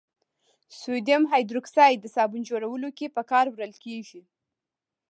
سودیم هایدروکساید د صابون جوړولو کې په کار وړل کیږي.